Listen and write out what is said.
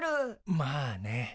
まあね。